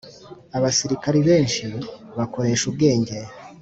Abasirikari benshi bakoresha ubwenge.